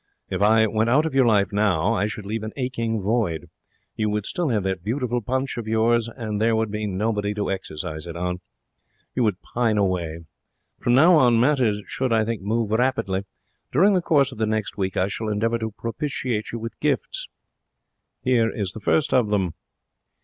If I went out of your life now I should leave an aching void. You would still have that beautiful punch of yours, and there would be nobody to exercise it on. You would pine away. From now on matters should, I think, move rapidly. During the course of the next week I shall endeavour to propitiate you with gifts. Here is the first of them.'